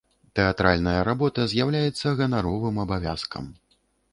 Тэатральная работа з'яўляецца ганаровым абавязкам.